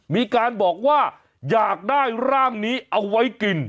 มีการบอกว่าอยากได้ร่างนี้เอาไว้กิน